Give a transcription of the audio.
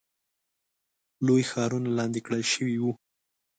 لوی ښارونه لاندې کړل شوي وو.